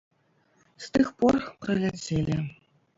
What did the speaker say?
З тых пор праляцелі.